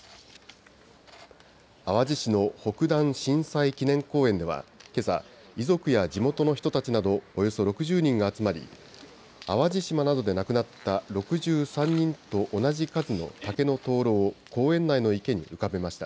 淡路市の北淡震災記念公園ではけさ、遺族や地元の人たちなどおよそ６０人が集まり淡路島などで亡くなった６３人と同じ数の竹の灯籠を公園内の池に浮かべました。